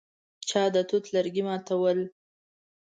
چا د توت لرګي ماتول.